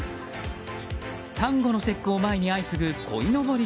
端午の節句を前に相次ぐこいのぼり